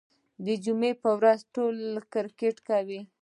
د جمعې په ورځ ټول کرکټ کوي.